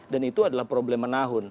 dan itu adalah problem menahun